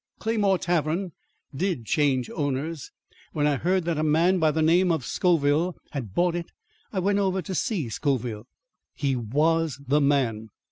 Claymore Tavern did change owners. When I heard that a man by the name of Scoville had bought it, I went over to see Scoville. He was the man.